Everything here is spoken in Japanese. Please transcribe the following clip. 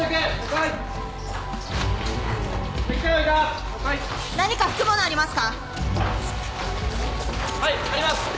はいあります。